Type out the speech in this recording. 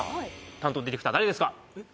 担当ディレクター誰ですか？